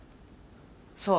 そう。